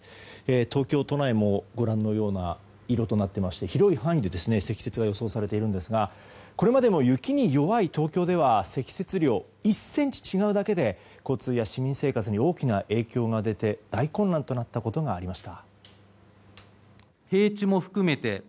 東京都内も、ご覧のような色となっていまして広い範囲で積雪が予想されているんですがこれまでも雪に弱い東京では積雪量が１ｃｍ違うだけで交通や市民生活に大きな影響が出て大混乱となったことがありました。